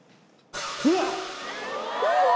うわっ！